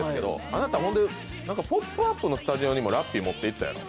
あなた本当に「ポップＵＰ！」のスタジオにもラッピー、持っていったやろ。